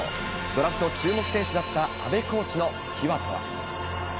ドラフト注目選手だった阿部コーチの秘話とは。